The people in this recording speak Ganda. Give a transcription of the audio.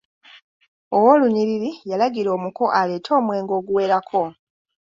Owoolunyiriri yalagira omuko aleete omwenge oguwerako.